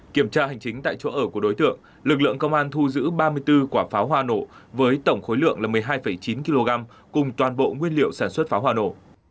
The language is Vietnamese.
kiểm tra hành chính tại chỗ ở của đối tượng lực lượng công an thu giữ ba mươi bốn quả pháo hoa nổ với tổng khối lượng là một mươi hai chín kg cùng toàn bộ nguyên liệu sản xuất pháo hoa nổ